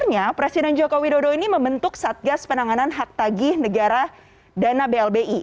nah presiden jokowi dodo ini membentuk satgas penanganan hak tagi negara dana blbi